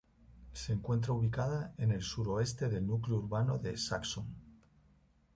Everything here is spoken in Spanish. Se encuentra ubicada en el suroeste del núcleo urbano de Saxon.